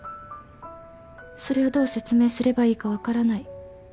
それをどう説明すればいいか分からない。